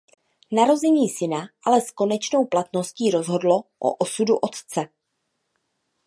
Narození syna ale s konečnou platností rozhodlo o osudu otce.